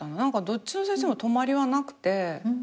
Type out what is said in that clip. どっちの先生も泊まりはなくて。